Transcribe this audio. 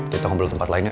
kita ngambil tempat lainnya